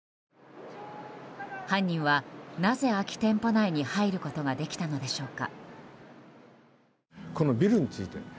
犯人は、なぜ空き店舗内に入ることができたのでしょうか。